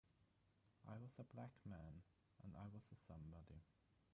I was a black man and I was a somebody.